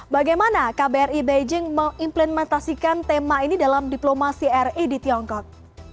bagaimana kbri beijing mengimplementasikan tema ini dalam diplomasi ri di tiongkok